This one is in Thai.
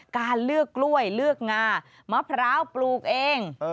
การเลือกกล้วยเลือกงามะพร้าวปลูกเอง